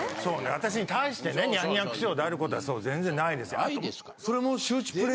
私に対してねニャンニャン口調であることは全然ないですよ。